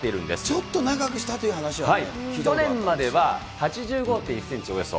ちょっと長くしたという話は去年までは８５．１センチ、およそ。